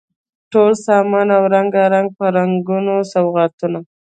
ټول سامان او رنګ په رنګ سوغاتونه